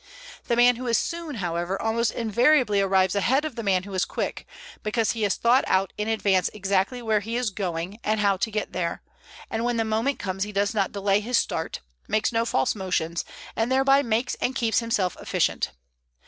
The man who is "soon," however, almost invariably arrives ahead of the man who is "quick," because he has thought out in advance exactly where he is going and how to get there, and when the moment comes he does not delay his start, makes no false motions, and thereby makes and keeps himself efficient.